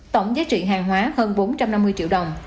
tổng giá trị hàng hóa hơn bốn trăm năm mươi triệu đồng